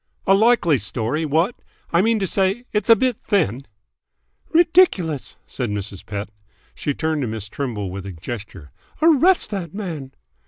"A likely story, what! I mean to say, it's a bit thin!" "Ridiculous!" said Mrs. Pett. She turned to Miss Trimble with a gesture. "Arrest that man!"